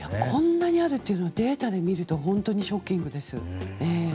こんなにあるということをデータで見ると本当にショッキングです。